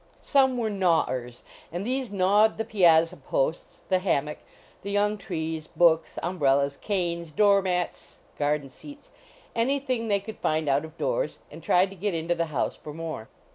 And some were gnawers, and these gnawed 242 HOUSEHOLD PETS the piazza posts, the hammock, the young trees, books, umbrellas, canes, door mats, garden scats any thing they could find out of doors, and tried to get into the house for more.